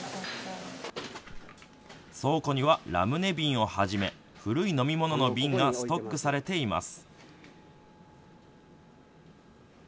倉庫にはラムネ瓶をはじめ古い飲み物の瓶がストックされています。